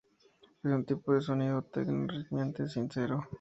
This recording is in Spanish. Es un tipo de sonido techno rítmicamente sincero.